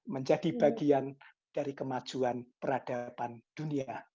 menjadi bagian dari kemajuan peradaban dunia